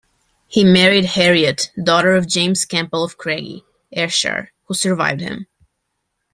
He married Harriet, daughter of James Campbell of Craigie, Ayrshire, who survived him.